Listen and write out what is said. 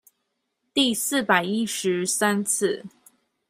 第四百一十三次